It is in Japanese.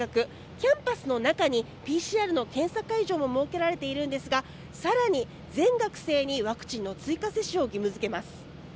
キャンパスの中にＰＣＲの検査会場も設けられているんですがさらに全学生にワクチンの追加接種を義務付けます。